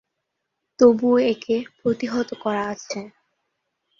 তবুও একে প্রতিহত করা আছে।